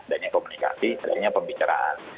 bedanya komunikasi bedanya pembicaraan